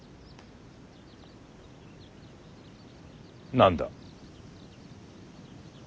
何だ。